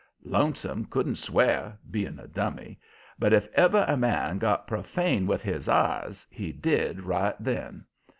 Lonesome couldn't swear being a dummy but if ever a man got profane with his eyes, he did right then.